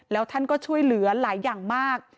แล้วท่านก็ช่วยเหลือหลายอย่างมาก